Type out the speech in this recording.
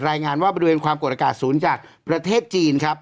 รายงานว่าบริเวณความกดอากาศสูงจากประเทศจีนครับ